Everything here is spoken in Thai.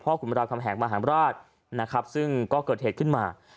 ขุนราคำแหงมหารราชนะครับซึ่งก็เกิดเหตุขึ้นมา